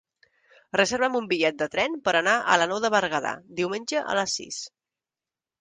Reserva'm un bitllet de tren per anar a la Nou de Berguedà diumenge a les sis.